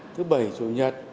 thứ bảy chủ nhật